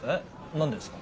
何でですか？